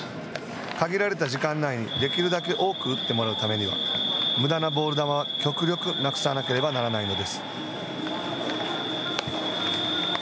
限られた時間内にできるだけ多く打ってもらうためには無駄なボール球は極力なくさなければならないのです。